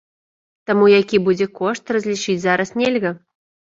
Таму які будзе кошт, разлічыць зараз нельга.